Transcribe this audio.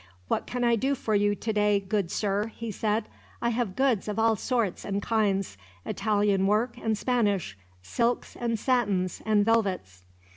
"What can I do for you today, good sir?" he said. "I have goods of all sorts and kinds: Italian work and Spanish; silks, and satins, and velvets."